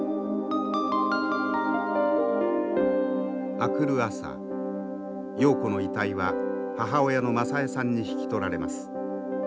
明くる朝瑤子の遺体は母親の雅枝さんに引き取られます。